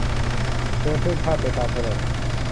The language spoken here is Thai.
เดินเพ่นพ่านไปตามถนน